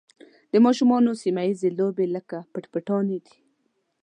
د ماشومانو سیمه ییزې لوبې لکه پټ پټونی دي.